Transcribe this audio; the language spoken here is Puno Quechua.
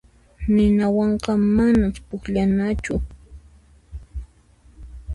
Ninawanqa manas pukllanachu.